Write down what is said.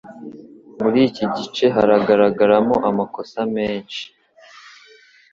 muri iki gice haragaragaramo amakosa menshi